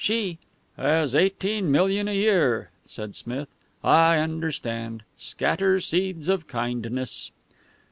She "" has eighteen million a year," said Smith. "I understand. Scatter seeds of kindness."